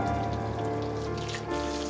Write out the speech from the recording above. aku mau kita sekedar balik